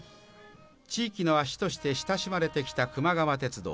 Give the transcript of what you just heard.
地域の足として親しまれてきたくま川鉄道。